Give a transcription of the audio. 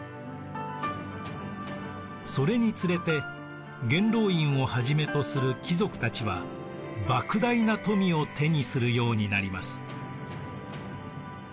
それにつれて元老院をはじめとする貴族たちはばく大な富を手にするようになります。